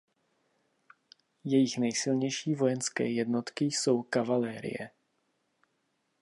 Jejich nejsilnější vojenské jednotky jsou kavalerie.